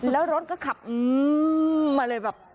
แล้วรถก็ขับมาเลยแบบ